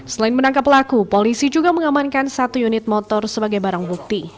selain menangkap pelaku polisi juga mengamankan satu unit motor sebagai barang bukti